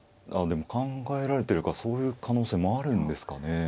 でも考えられてるからそういう可能性もあるんですかね。